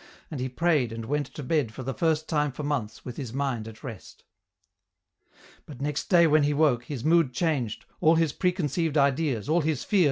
and he prayed and went to bed for the first time for months with his mind at rest. But nex da) when he woke, his mood changed, all his preconcei\ec ideas all his fear?